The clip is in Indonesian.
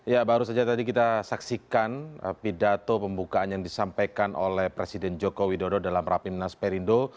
ya baru saja tadi kita saksikan pidato pembukaan yang disampaikan oleh presiden joko widodo dalam rapimnas perindo